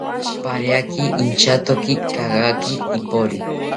Pariaki inchatoki kagaki ipori